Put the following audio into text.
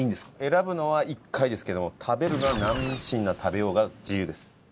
選ぶのは１回ですけども食べるのは何品食べようが自由です。